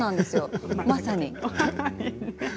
まさに。